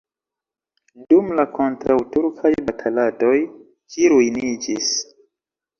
Dum la kontraŭturkaj bataladoj ĝi ruiniĝis.